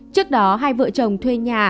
trước đó hai vợ chồng thuê nhà